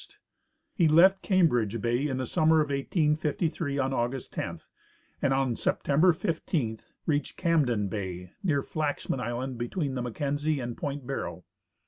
He left Cambridge bay in the summer of 1853, on August 10, and on September 15 reached Camden bay, near Flaxman island, between the Mackenzie and point Barrow.